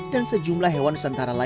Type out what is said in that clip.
dan sejumlah hewan yang berbeda